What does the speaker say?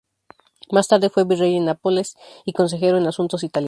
Más tarde fue virrey en Nápoles y consejero en asuntos italianos.